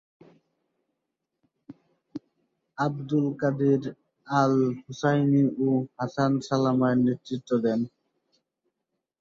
Abdul Qadir al-Husseini ও Hasan Salama এর নেতৃত্ব দেন।